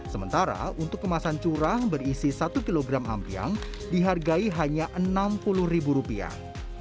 sementara untuk kemasan curang berisi satu kg ampiang dihargai hanya enam puluh ribu rupiah